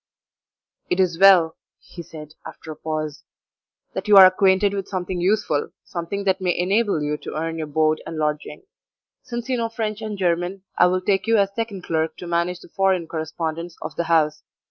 "It is well," he said, after a pause, "that you are acquainted with something useful, something that may enable you to earn your board and lodging: since you know French and German, I will take you as second clerk to manage the foreign correspondence of the house.